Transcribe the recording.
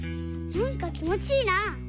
なんかきもちいいな！